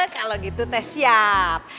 kalau gitu teh siap